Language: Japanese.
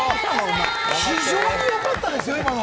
非常に良かったですよ、今の。